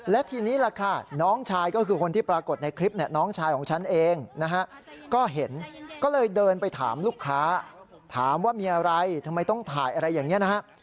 เดินไปถามลูกค้าถามว่ามีอะไรทำไมต้องถ่ายอะไรอย่างนี้นะฮะ